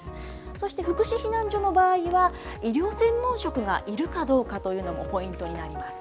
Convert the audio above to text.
そして福祉避難所の場合は、医療専門職がいるかどうかというのもポイントになります。